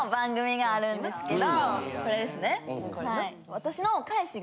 私の。